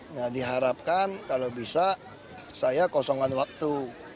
nah diharapkan kalau bisa saya kosongan waktu